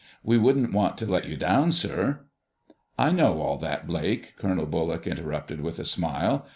We wouldn't want to let you down, sir—" "I know all that, Blake," Colonel Bullock interrupted with a smile.